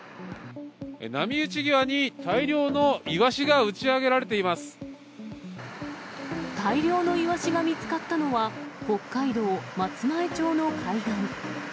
波打ち際に大量のイワシが打大量のイワシが見つかったのは、北海道松前町の海岸。